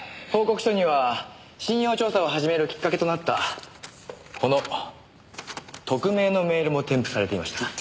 報告書には信用調査を始めるきっかけとなったこの匿名のメールも添付されていました。